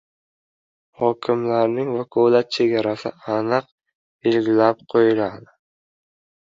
Hokimlarning vakolat chegarasi aniq belgilab qo‘yiladi